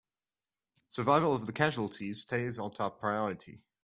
Survival of the casualties stays our top priority!